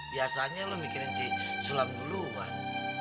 biasanya lo mikirin si sulam duluan